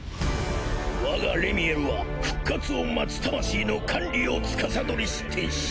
我がレミエルは復活を待つ魂の管理を司りし天使。